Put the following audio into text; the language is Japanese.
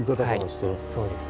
はいそうですね。